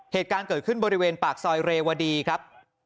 เหตุการณ์เกิดขึ้นบริเวณปากซอยเรวดีครับ